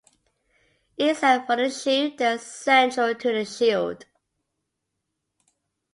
Except for the chief they are central to the shield.